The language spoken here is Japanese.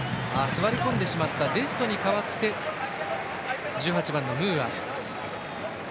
座り込んでしまったデストに代わって１８番のムーア。